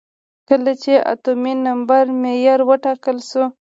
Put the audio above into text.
کله چې اتومي نمبر معیار وټاکل شو.